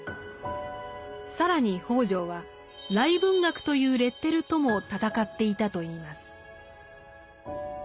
更に北條は「癩文学」というレッテルとも戦っていたといいます。